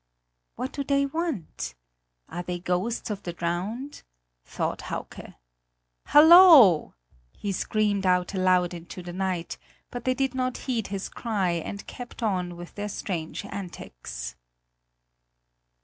"What do they want? Are they ghosts of the drowned?" thought Hauke. "Hallo!" he screamed out aloud into the night; but they did not heed his cry and kept on with their strange antics.